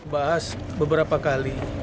bahas beberapa kali